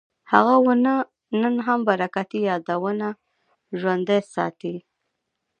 هغه ونه نن هم برکتي یادونه ژوندي ساتي.